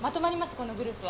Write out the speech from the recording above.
このグループは。